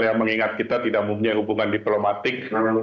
yang mengingat kita tidak mempunyai hubungan diplomatik